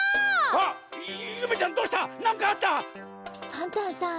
パンタンさん。